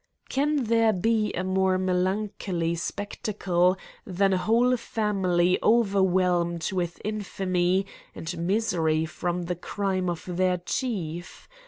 Can there be a more melancholy spec tacle than a whole family overwhelmed with in famy and niisery from the crime of their chief?